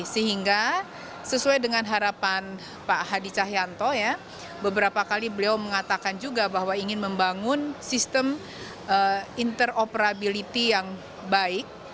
sehingga sesuai dengan harapan pak hadi cahyanto ya beberapa kali beliau mengatakan juga bahwa ingin membangun sistem interoperability yang baik